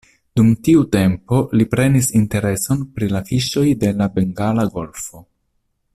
Dum tiu tempo li prenis intereson pri la fiŝoj de la Bengala Golfo.